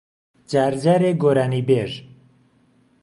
جار جارێ گۆرانیبێژ